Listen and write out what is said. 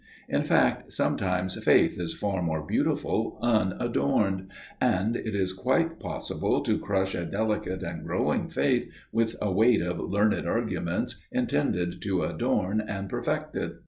In fact, sometimes faith is far more beautiful unadorned, and it is quite possible to crush a delicate and growing faith with a weight of learned arguments intended to adorn and perfect it.